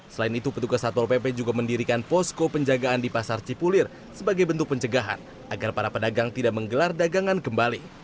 selain itu petugas satpol pp juga mendirikan posko penjagaan di pasar cipulir sebagai bentuk pencegahan agar para pedagang tidak menggelar dagangan kembali